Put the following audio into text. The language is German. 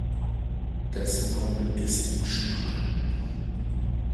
Das Maul ist schmal.